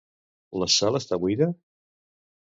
La sala està buida?